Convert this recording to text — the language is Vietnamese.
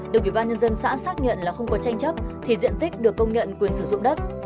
được ủy ban nhân dân xã xác nhận là không có tranh chấp thì diện tích được công nhận quyền sử dụng đất